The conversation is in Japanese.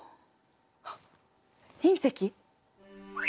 あっ隕石？